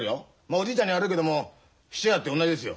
おじいちゃんには悪いけども質屋だって同じですよ。